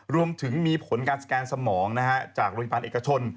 รวมถึงมีผลการสแกนสมองจากโรงพยาบาลเอกชน